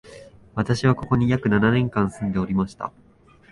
私は、ここに約七年間住んでおりました